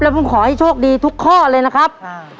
ผมขอให้โชคดีทุกข้อเลยนะครับ